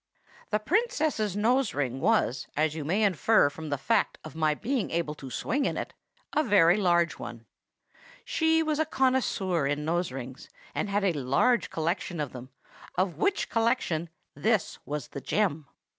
"The Princess's nose ring was, as you may infer from the fact of my being able to swing in it, a very large one. She was a connoisseur in nose rings, and had a large collection of them, of which collection this was the gem.